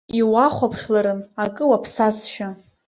Иухәаԥшларын акы уаԥсазшәа.